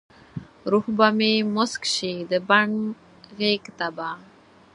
روح به مې موسک شي د بڼ غیږته به ،